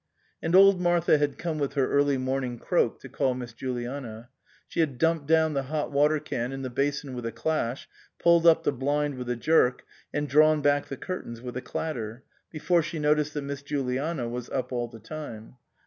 And old Martha had come with her early morning croak to call Miss Juliana ; she had dumped down the hot water can in the basin with a clash, pulled up the blind with a jerk, and drawn back the curtains with a clatter, before she noticed that Miss Juliana was up all the time.